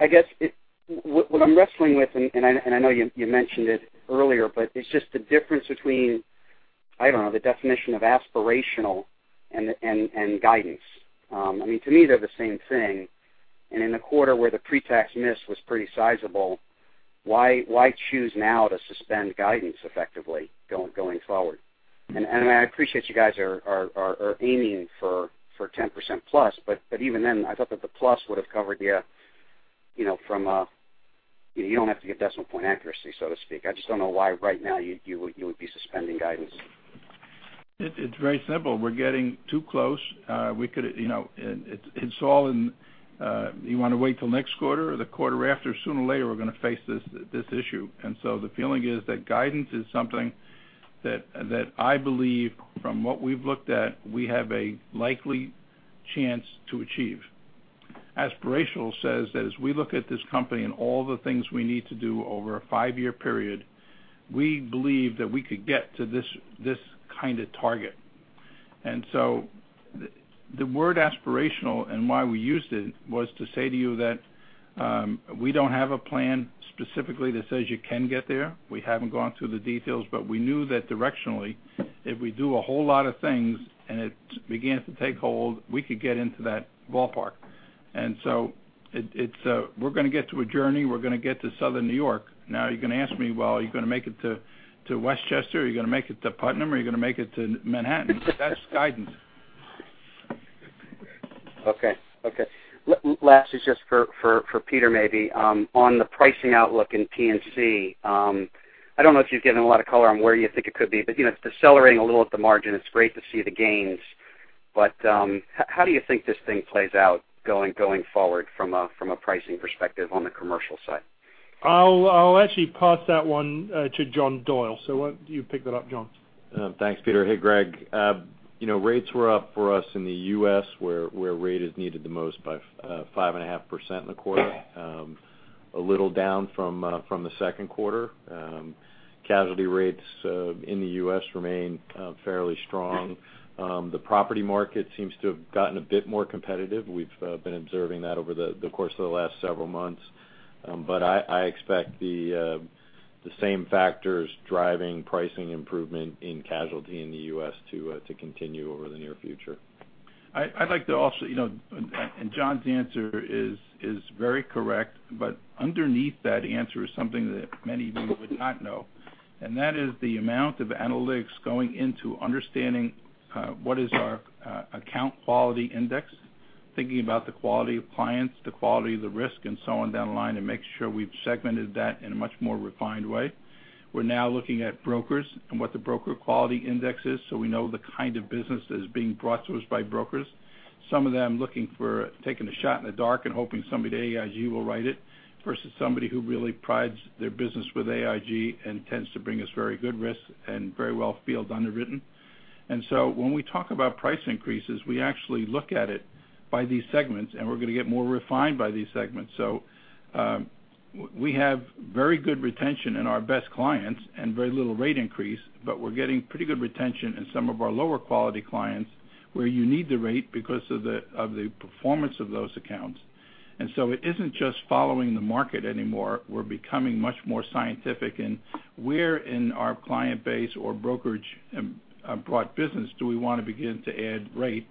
I guess what I'm wrestling with, and I know you mentioned it earlier, but it's just the difference between, I don't know, the definition of aspirational and guidance. To me, they're the same thing. In a quarter where the pre-tax miss was pretty sizable, why choose now to suspend guidance effectively going forward? I appreciate you guys are aiming for 10% plus, but even then, I thought that the plus would have covered you. You don't have to give decimal point accuracy, so to speak. I just don't know why right now you would be suspending guidance. It's very simple. We're getting too close. You want to wait till next quarter or the quarter after? Sooner or later, we're going to face this issue. The feeling is that guidance is something that I believe from what we've looked at, we have a likely chance to achieve Aspirational says that as we look at this company and all the things we need to do over a five-year period, we believe that we could get to this kind of target. The word aspirational and why we used it was to say to you that we don't have a plan specifically that says you can get there. We haven't gone through the details, we knew that directionally, if we do a whole lot of things and it begins to take hold, we could get into that ballpark. We're going to get to a journey. We're going to get to Southern New York. Now you're going to ask me, "Well, are you going to make it to Westchester? Are you going to make it to Putnam? Are you going to make it to Manhattan?" That's guidance. Okay. Last is just for Peter, maybe, on the pricing outlook in P&C. I don't know if you've given a lot of color on where you think it could be, it's decelerating a little at the margin. It's great to see the gains, how do you think this thing plays out going forward from a pricing perspective on the commercial side? I'll actually pass that one to John Doyle. Why don't you pick that up, John? Thanks, Peter. Hey, Greg. Rates were up for us in the U.S., where rate is needed the most by 5.5% in the quarter. A little down from the second quarter. Casualty rates in the U.S. remain fairly strong. The property market seems to have gotten a bit more competitive. We've been observing that over the course of the last several months. I expect the same factors driving pricing improvement in casualty in the U.S. to continue over the near future. I'd like to also. John's answer is very correct, but underneath that answer is something that many of you would not know, and that is the amount of analytics going into understanding what is our account quality index, thinking about the quality of clients, the quality of the risk, and so on down the line, and making sure we've segmented that in a much more refined way. We're now looking at brokers and what the broker quality index is, so we know the kind of business that is being brought to us by brokers. Some of them looking for taking a shot in the dark and hoping somebody at AIG will write it, versus somebody who really prides their business with AIG and tends to bring us very good risk and very well field-underwritten. When we talk about price increases, we actually look at it by these segments. We're going to get more refined by these segments. We have very good retention in our best clients and very little rate increase. We're getting pretty good retention in some of our lower quality clients where you need the rate because of the performance of those accounts. It isn't just following the market anymore. We're becoming much more scientific in where in our client base or brokerage brought business do we want to begin to add rate?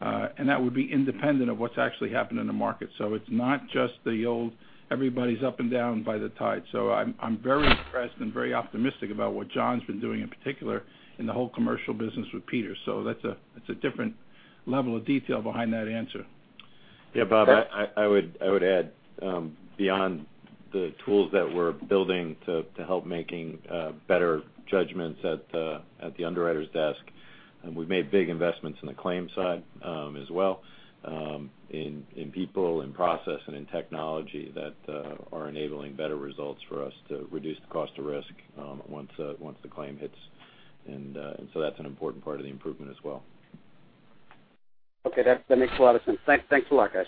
That would be independent of what's actually happening in the market. It's not just the old everybody's up and down by the tide. I'm very impressed and very optimistic about what John's been doing, in particular in the whole commercial business with Peter. That's a different level of detail behind that answer. Yeah, Bob, I would add, beyond the tools that we're building to help making better judgments at the underwriter's desk, we've made big investments in the claims side as well, in people, in process, and in technology that are enabling better results for us to reduce the cost of risk once the claim hits. That's an important part of the improvement as well. Okay. That makes a lot of sense. Thanks a lot, guys.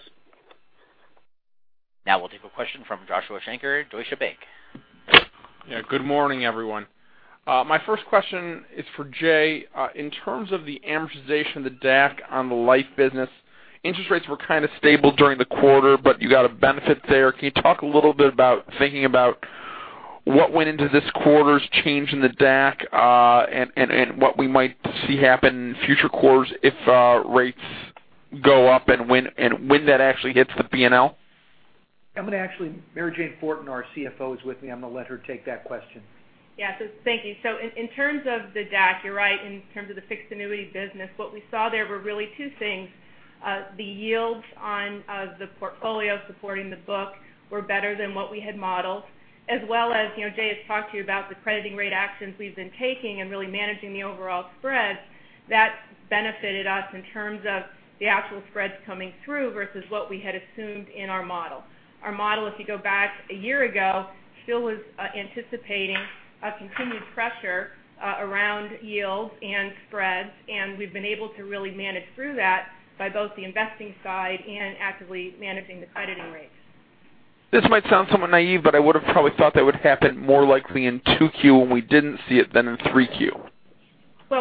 We'll take a question from Joshua Shanker, Deutsche Bank. Yeah, good morning, everyone. My first question is for Jay. In terms of the amortization of the DAC on the life business, interest rates were kind of stable during the quarter, but you got a benefit there. Can you talk a little bit about thinking about what went into this quarter's change in the DAC and what we might see happen in future quarters if rates go up and when that actually hits the P&L? I'm going to actually, Mary Jane Fortin, our CFO, is with me. I'm going to let her take that question. Yeah. Thank you. In terms of the DAC, you're right. In terms of the fixed annuity business, what we saw there were really two things. The yields on the portfolio supporting the book were better than what we had modeled, as well as Jay has talked to you about the crediting rate actions we've been taking and really managing the overall spreads. That benefited us in terms of the actual spreads coming through versus what we had assumed in our model. Our model, if you go back a year ago, still was anticipating a continued pressure around yields and spreads. We've been able to really manage through that by both the investing side and actively managing the crediting rates. This might sound somewhat naive, I would have probably thought that would happen more likely in 2Q, we didn't see it than in 3Q.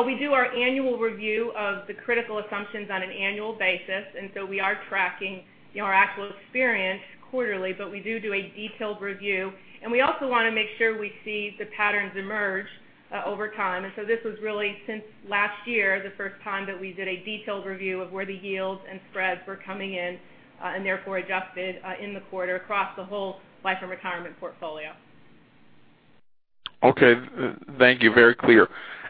We do our annual review of the critical assumptions on an annual basis, we are tracking our actual experience quarterly, we do a detailed review, we also want to make sure we see the patterns emerge over time. This was really since last year, the first time that we did a detailed review of where the yields and spreads were coming in, and therefore adjusted in the quarter across the whole life and retirement portfolio. Thank you. Very clear.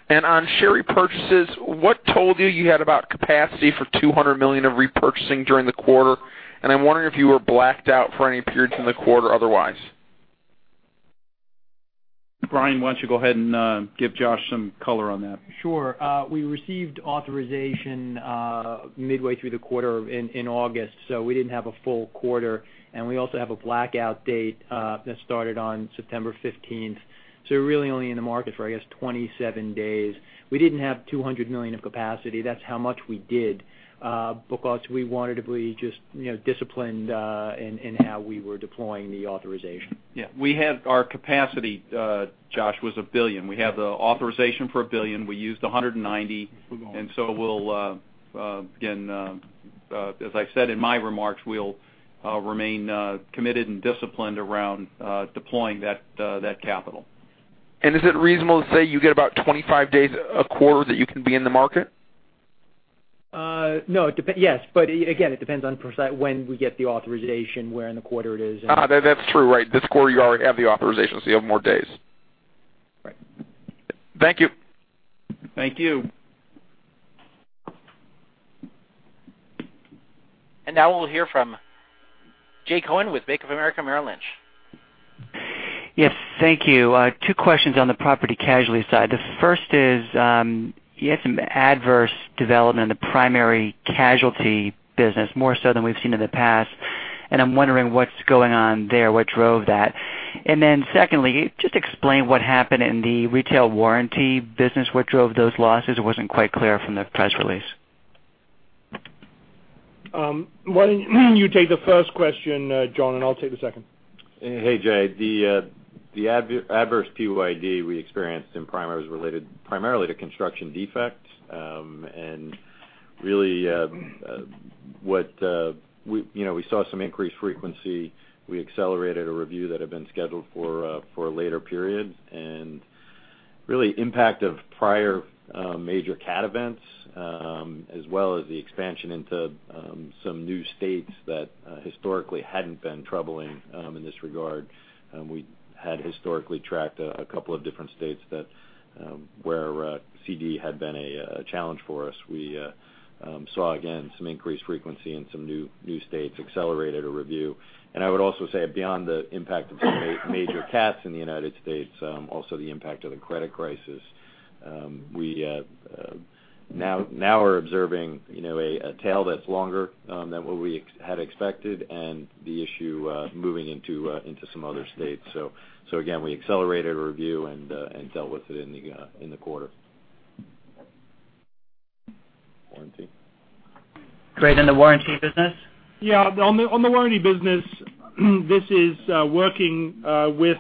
On share repurchases, what told you you had about capacity for $200 million of repurchasing during the quarter? I'm wondering if you were blacked out for any periods in the quarter otherwise. Brian, why don't you go ahead and give Josh some color on that? Sure. We didn't have a full quarter. We also have a blackout date that started on September 15th. We were really only in the market for, I guess, 27 days. We didn't have 200 million of capacity. That's how much we did because we wanted to be just disciplined in how we were deploying the authorization. Yeah. Our capacity, Josh, was $1 billion. We have the authorization for $1 billion. We used $190. We'll again, as I said in my remarks, we'll remain committed and disciplined around deploying that capital. Is it reasonable to say you get about 25 days a quarter that you can be in the market? No, it depends. Yes. Again, it depends on when we get the authorization, where in the quarter it is and. That's true. Right. This quarter, you already have the authorization, so you have more days. Right. Thank you. Thank you. Now we'll hear from Jay Cohen with Bank of America Merrill Lynch. Yes, thank you. Two questions on the Property Casualty side. The first is, you had some adverse development in the primary casualty business, more so than we've seen in the past, I'm wondering what's going on there, what drove that. Secondly, just explain what happened in the retail warranty business. What drove those losses? It wasn't quite clear from the press release. Why don't you take the first question, John, and I'll take the second? Hey, Jay. The adverse PYD we experienced in primary was related primarily to construction defects. Really, we saw some increased frequency. We accelerated a review that had been scheduled for a later period. Really impact of prior major cat events, as well as the expansion into some new states that historically hadn't been troubling in this regard. We had historically tracked a couple of different states where CD had been a challenge for us. We saw, again, some increased frequency in some new states, accelerated a review. I would also say beyond the impact of some major cats in the United States, also the impact of the credit crisis. We now are observing a tail that's longer than what we had expected and the issue moving into some other states. Again, we accelerated a review and dealt with it in the quarter. Warranty? Great. The warranty business? Yeah, on the warranty business, this is working with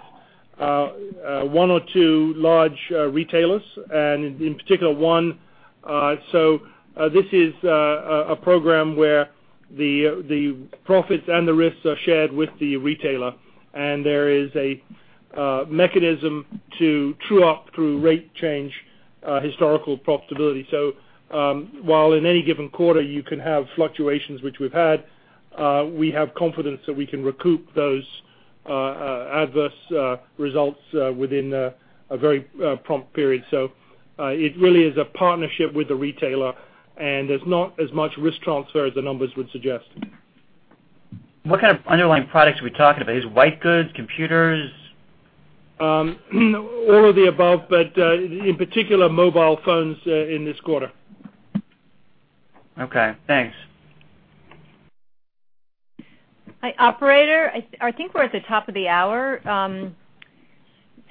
one or two large retailers and in particular one. This is a program where the profits and the risks are shared with the retailer, and there is a mechanism to true up through rate change historical profitability. While in any given quarter you can have fluctuations, which we've had, we have confidence that we can recoup those adverse results within a very prompt period. It really is a partnership with the retailer, and there's not as much risk transfer as the numbers would suggest. What kind of underlying products are we talking about? Is it white goods, computers? All of the above, but in particular mobile phones in this quarter. Okay, thanks. Hi, operator. I think we're at the top of the hour.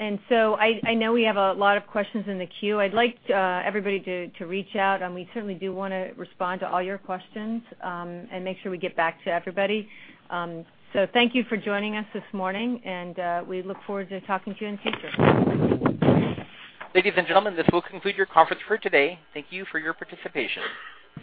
I know we have a lot of questions in the queue. I'd like everybody to reach out, and we certainly do want to respond to all your questions and make sure we get back to everybody. Thank you for joining us this morning, and we look forward to talking to you in the future. Ladies and gentlemen, this will conclude your conference for today. Thank you for your participation.